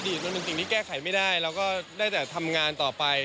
มันเป็นสิ่งที่แก้ไขไม่ได้เราก็ได้แต่ทำงานต่อไป